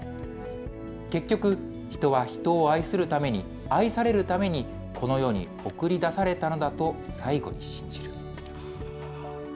結局、人は人を愛するために愛されるために、この世に送り出されたのだと最期に信じる。